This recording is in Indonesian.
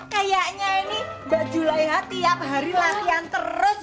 kayaknya ini mbak juleha tiap hari latihan terus ya